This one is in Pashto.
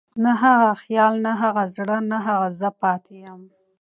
نه هغه خيال، نه هغه زړه، نه هغه زه پاتې يم